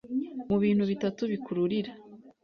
mu bintu bitatu bikururira